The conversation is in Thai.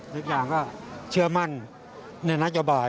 ทุกอย่างก็เชื่อมั่นในนโยบาย